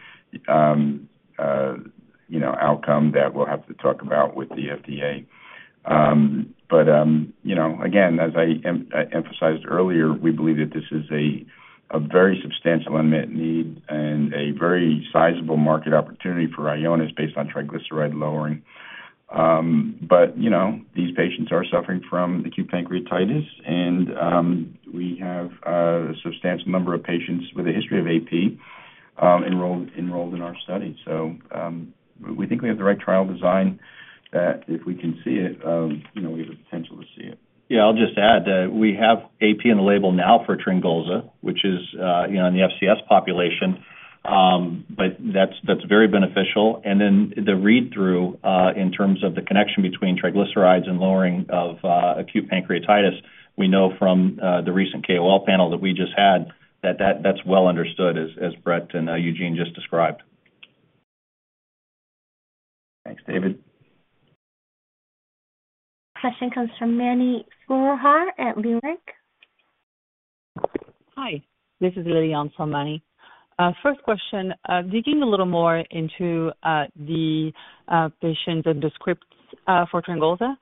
outcome that we'll have to talk about with the FDA. Again, as I emphasized earlier, we believe that this is a very substantial unmet need and a very sizable market opportunity for Ionis based on triglyceride lowering. These patients are suffering from acute pancreatitis, and we have a substantial number of patients with a history of AP enrolled in our study. We think we have the right trial design that if we can see it, we have the potential to see it.
I'll just add that we have AP in the label now for Tryngolza, which is in the FCS population, but that's very beneficial. The read-through in terms of the connection between triglycerides and lowering of acute pancreatitis, we know from the recent KOL panel that we just had that that's well understood, as Brett and Eugene just described.
Thanks, David.
Question comes from Mani Foroohar at Leerink.
Hi. This is Lili on for Mani. First question, digging a little more into the patients and the scripts for Tryngolza.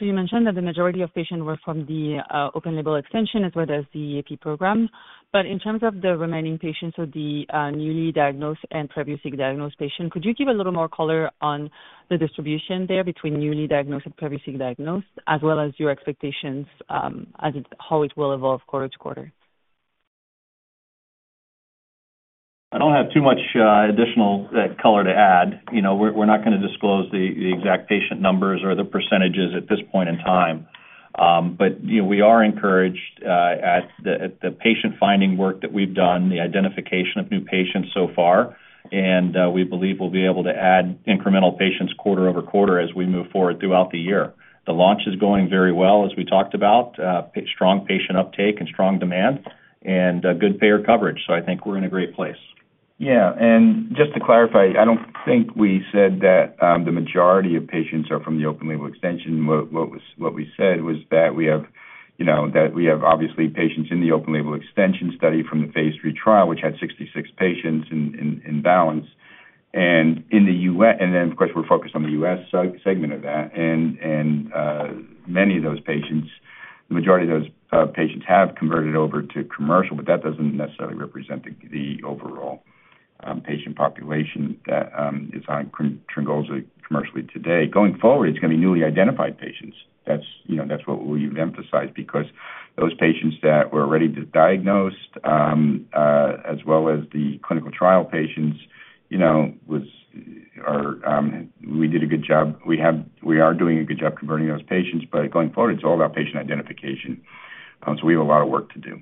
You mentioned that the majority of patients were from the open label extension as well as the AP program.
In terms of the remaining patients, so the newly diagnosed and previously diagnosed patients, could you give a little more color on the distribution there between newly diagnosed and previously diagnosed, as well as your expectations as to how it will evolve quarter to quarter?
I do not have too much additional color to add. We are not going to disclose the exact patient numbers or the percentages at this point in time. We are encouraged at the patient-finding work that we have done, the identification of new patients so far, and we believe we will be able to add incremental patients quarter-over-quarter as we move forward throughout the year. The launch is going very well, as we talked about, strong patient uptake and strong demand, and good payer coverage. I think we are in a great place. Yeah.
Just to clarify, I don't think we said that the majority of patients are from the open label extension. What we said was that we have, obviously, patients in the open label extension study from the phase III trial, which had 66 patients in BALANCE. Of course, we're focused on the U.S. segment of that. Many of those patients, the majority of those patients, have converted over to commercial, but that doesn't necessarily represent the overall patient population that is on Tryngolza commercially today. Going forward, it's going to be newly identified patients. That's what we've emphasized because those patients that were already diagnosed, as well as the clinical trial patients, we did a good job. We are doing a good job converting those patients, but going forward, it's all about patient identification. We have a lot of work to do.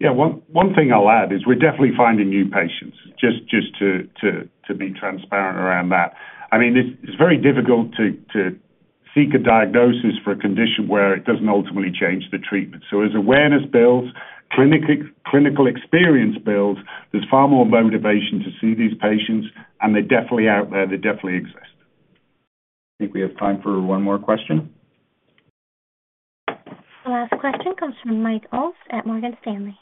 Yeah. One thing I'll add is we're definitely finding new patients, just to be transparent around that. I mean, it's very difficult to seek a diagnosis for a condition where it doesn't ultimately change the treatment. As awareness builds, clinical experience builds, there's far more motivation to see these patients, and they're definitely out there. They definitely exist.
I think we have time for one more question.
The last question comes from Mike Ulz at Morgan Stanley.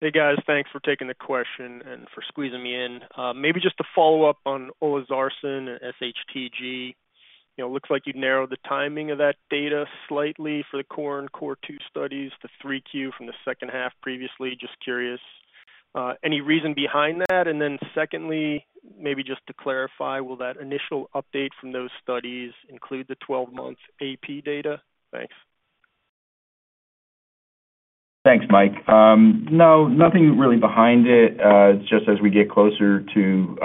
Hey, guys. Thanks for taking the question and for squeezing me in. Maybe just to follow up on Olezarsen and SHTG. Looks like you narrowed the timing of that data slightly for the Core and Core II studies, the third quarter from the second half previously. Just curious. Any reason behind that? And then secondly, maybe just to clarify, will that initial update from those studies include the 12-month AP data? Thanks.
Thanks, Mike. No, nothing really behind it. Just as we get closer to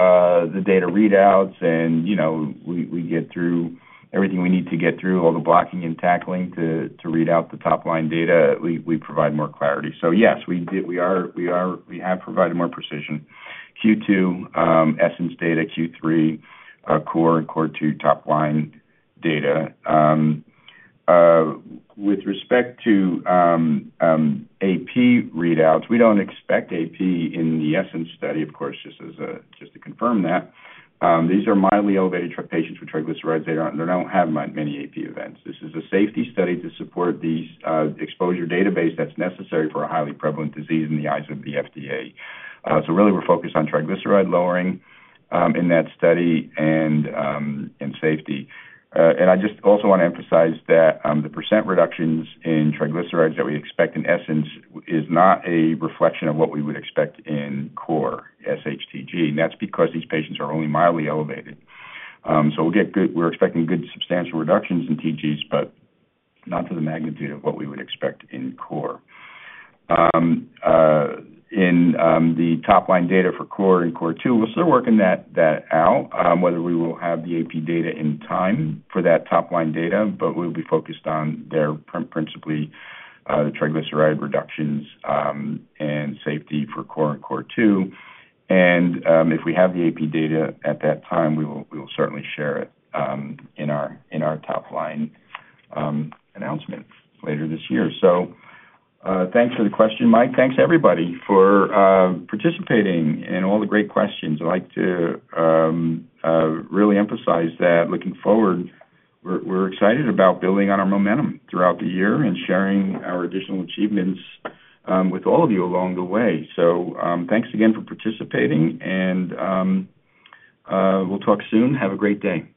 the data readouts and we get through everything we need to get through, all the blocking and tackling to read out the top-line data, we provide more clarity. Yes, we have provided more precision. Q2 Essence data, Q3 Core and Core II top-line data. With respect to AP readouts, we do not expect AP in the Essence study, of course, just to confirm that. These are mildly elevated patients with triglycerides. They do not have many AP events. This is a safety study to support the exposure database that is necessary for a highly prevalent disease in the eyes of the FDA. We are focused on triglyceride lowering in that study and safety. I just also want to emphasize that the % reductions in triglycerides that we expect in Essence is not a reflection of what we would expect in Core SHTG. That's because these patients are only mildly elevated. We're expecting good substantial reductions in TGs, but not to the magnitude of what we would expect in Core. In the top-line data for Core and Core II, we're still working that out, whether we will have the AP data in time for that top-line data, but we'll be focused on there principally, the triglyceride reductions and safety for Core and Core II. If we have the AP data at that time, we will certainly share it in our top-line announcement later this year. Thanks for the question, Mike. Thanks, everybody, for participating and all the great questions. I'd like to really emphasize that looking forward, we're excited about building on our momentum throughout the year and sharing our additional achievements with all of you along the way. Thanks again for participating, and we'll talk soon. Have a great day.